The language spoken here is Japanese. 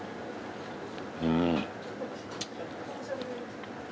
うん！